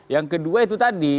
yang kedua itu tadi